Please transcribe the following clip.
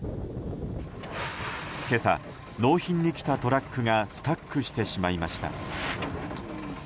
今朝、納品に来たトラックがスタックしてしまいました。